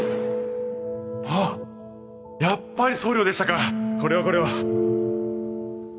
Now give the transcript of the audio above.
ああやっぱり総領でしたかこれはこれは